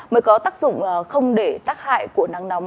mới có tác dụng không để tác hại của nắng nóng